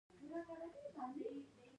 د اتوم په داخل کې کومې ذرې شتون لري.